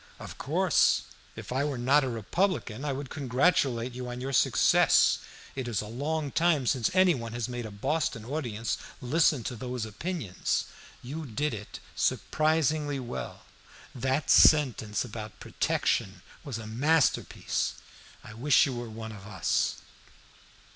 "Of course. If I were not a Republican I would congratulate you on your success. It is a long time since any one has made a Boston audience listen to those opinions. You did it surprisingly well; that sentence about protection was a masterpiece. I wish you were one of us."